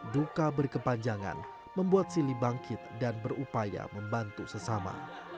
duka berkepanjangan membuat silly bangkit dan berupaya membantu sesama